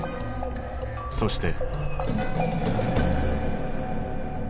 そして。